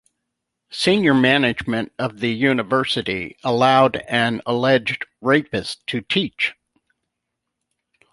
Senior management of the university allowed an alleged rapist to teach.